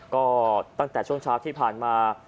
ก็ตั้งแต่ช่วงเช้าที่ผ่านมา